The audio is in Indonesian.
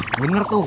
nah bener tuh